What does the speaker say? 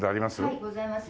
はいございます。